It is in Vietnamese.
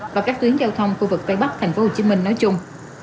và các tuyến giao thông khu vực tây bắc thành phố hồ chí minh nói chung